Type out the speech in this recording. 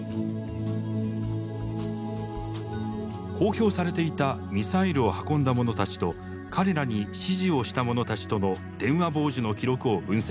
公表されていたミサイルを運んだ者たちと彼らに指示をした者たちとの電話傍受の記録を分析。